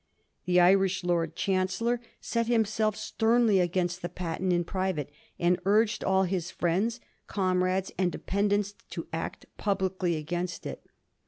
The Irish Lord Chancellor set himself sternly against the patent in private, and urged all his friends, comrades, and dependants, to act publicly against it.